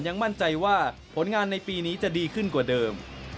ยังมั่นใจว่าผลงานในปีนี้จะดีขึ้นกว่าเดิม